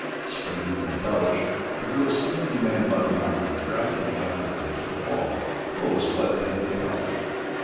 Springing from the couch, the girl seized the man by the arm and dragged him after her to the wall close by the head of the couch.